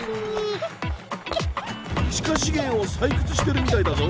地下資源を採掘してるみたいだぞ。